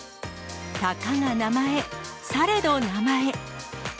たかが名前、されど名前。